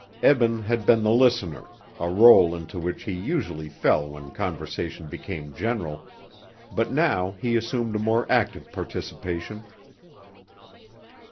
Eben had been the listener, a rôle into which he usually fell when conversation became general, but now he assumed a more active participation.